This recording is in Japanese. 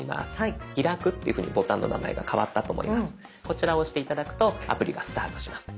こちらを押して頂くとアプリがスタートします。